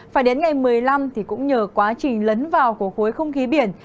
phải đến ngày một mươi năm thì cũng nhờ quá trình lấn vào của khối không khí biển